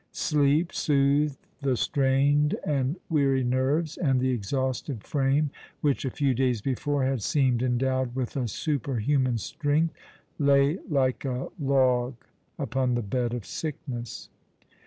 Sleep soothed the strained and weary nerves, and the exhausted frame, which a few days before had seemed endowed with a superhuman strength^ lay like a log upon the bed of sickness.